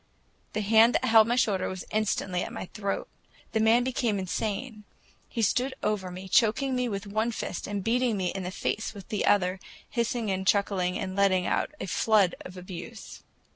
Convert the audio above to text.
The hand that held my shoulder was instantly at my throat. The man became insane; he stood over me, choking me with one fist and beating me in the face with the other, hissing and chuckling and letting out a flood of abuse.